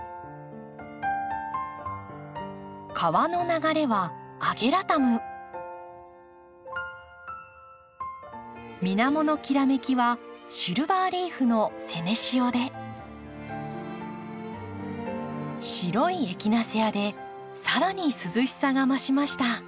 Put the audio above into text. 川の流れは水面のきらめきはシルバーリーフの白いエキナセアで更に涼しさが増しました。